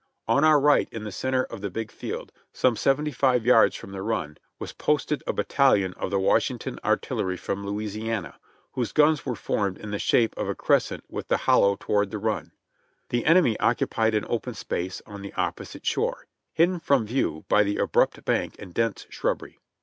On our right, in the center of the big field, some seventy five yards from the run, was posted a battalion of the Washington Artillery from Louisiana, whose guns were formed in the shape of a crescent with the hollow toward the run. The enemy occupied an open space on the opposite shore, hidden from view by the abrupt bank and dense shrubbery.